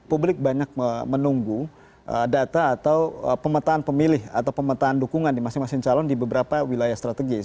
publik banyak menunggu data atau pemetaan pemilih atau pemetaan dukungan di masing masing calon di beberapa wilayah strategis